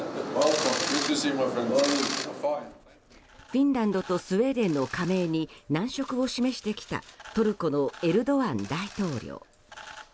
フィンランドとスウェーデンの加盟に難色を示してきたトルコのエルドアン大統領。